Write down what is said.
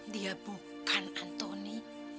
dia bukan antoni